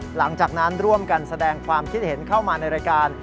หลังจากนั้นร่วมกันแสดงความคิดเห็นเข้ามาในรายการ